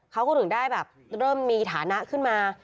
เขาก็ถึงได้แบบเริ่มมีฐานะขึ้นมา